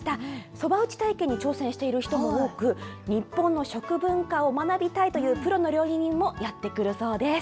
そば打ち体験に挑戦している人も多く、日本の食文化を学びたいというプロの料理人もやって来るそうです。